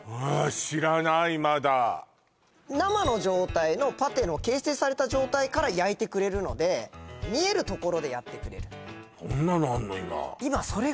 知らないまだ生の状態のパテの形成された状態から焼いてくれるので見えるところでやってくれるそんなのあんの？